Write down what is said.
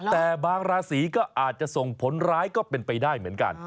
แต่บางราศีก็อาจจะส่งผลร้ายก็เป็นไปได้เหมือนกัน